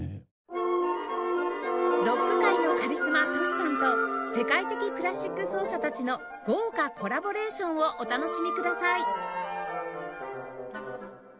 ロック界のカリスマ Ｔｏｓｈｌ さんと世界的クラシック奏者たちの豪華コラボレーションをお楽しみください